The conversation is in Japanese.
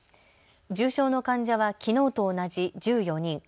重症の患者はきのうと同じ１４人。